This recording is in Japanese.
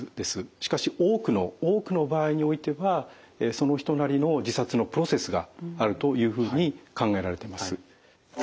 しかし多くの場合においてはその人なりの自殺のプロセスがあるというふうに考えられてます。